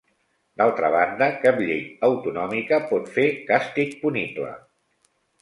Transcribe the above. D’altra banda cap llei autonòmica pot fer càstig punible.